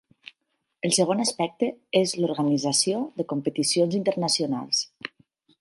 El segon aspecte és l'organització de competicions internacionals.